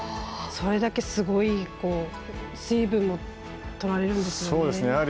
それだけ、すごい水分をとられるんですよね。